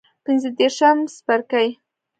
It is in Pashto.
پنځه دیرشم څپرکی